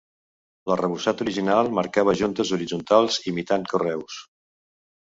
L'arrebossat original marcava juntes horitzontals imitant carreus.